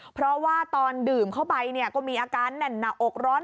เพราะว่าตอนดื่มเข้าไปก็มีอาการหน่ะออกร้อน